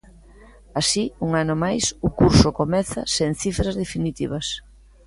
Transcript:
Así, un ano mais, o curso comeza sen cifras definitivas.